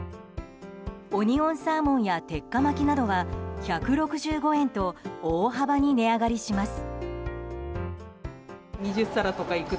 オニオンサーモンや鉄火巻などは１６５円と大幅に値上がりします。